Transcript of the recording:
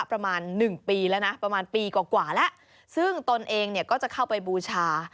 ประมาณ๑ปีแล้วนะประมาณปีกว่าแล้วซึ่งตนเองก็จะเข้าไปบูชา